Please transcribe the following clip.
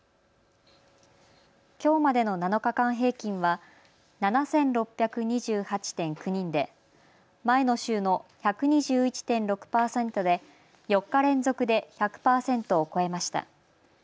きょうまでの７日間平均は７６２８．９人で前の週の１２１．６％で４日連続で１００％を超えました。